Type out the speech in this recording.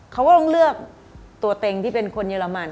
เขาก็ต้องเลือกตัวเต็งที่เป็นคนเยอรมัน